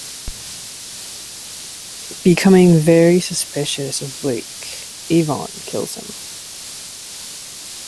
Becoming very suspicious of Blake, Avon kills him.